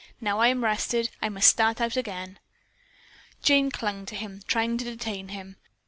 "Now I am rested, I must start out again." Jane clung to him, trying to detain him.